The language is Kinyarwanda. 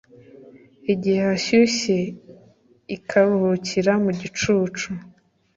igihe hashyushye ikaruhukira mu gicucu